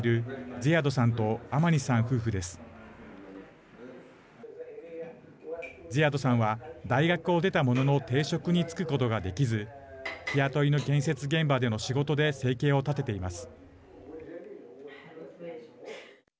ズィアドさんは大学を出たものの定職に就くことができず日雇いの建設現場での仕事で生計を立てています。